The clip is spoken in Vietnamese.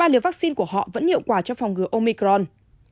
ba liều vaccine của họ vẫn hiệu quả cho phòng ngừa omicron